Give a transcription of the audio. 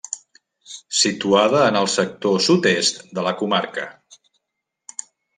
Situada en el sector sud-est de la comarca.